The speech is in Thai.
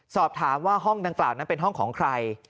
สอบถามว่าห้องดังกล่าวนั้นเป็นห้องของใคร